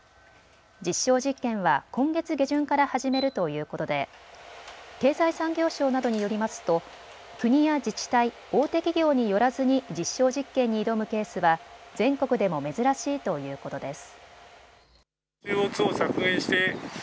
実証実験は今月下旬から始めるということで経済産業省などによりますと国や自治体、大手企業によらずに実証実験に挑むケースは全国でも珍しいということです。